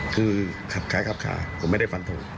คือขับคล้ายขับขาผมไม่ได้ฟันทง